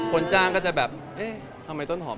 คนจ้างก็จะแบบเอ๊ะทำไมต้นหอม